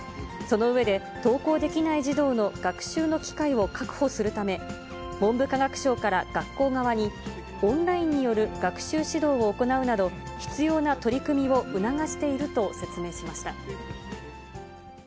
その上で、登校できない児童の学習の機会を確保するため、文部科学省から学校側に、オンラインによる学習指導を行うなど、必要な取り組みを促していると説明しました。